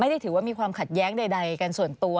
ถือว่ามีความขัดแย้งใดกันส่วนตัว